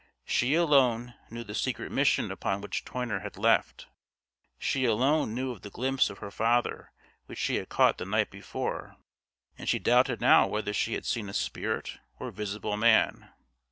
She alone knew the secret mission upon which Toyner had left; she alone knew of the glimpse of her father which she had caught the night before, and she doubted now whether she had seen a spirit or visible man.